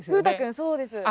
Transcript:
そうです。